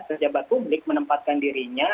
kerja batu menempatkan dirinya